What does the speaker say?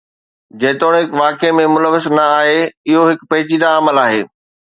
جيتوڻيڪ واقعي ۾ ملوث نه آهي، اهو هڪ پيچيده عمل آهي.